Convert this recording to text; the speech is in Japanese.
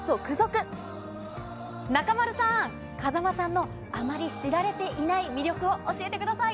中丸さん、風間さんのあまり知られていない魅力を教えてください。